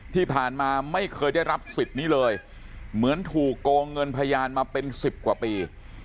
ที่ผ่านมาไม่เคยได้รับสิทธิ์นี้เลยเหมือนถูกโกงเงินพยานมาเป็นสิบกว่าปี